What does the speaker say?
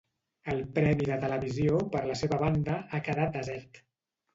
El premi de Televisió, per la seva banda, ha quedat desert.